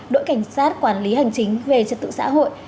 đội cảnh sát quản lý hành chính về trật tự xã hội